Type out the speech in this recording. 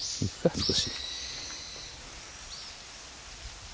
少し。